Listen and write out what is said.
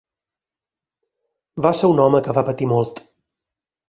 Va ser un home que va patir molt.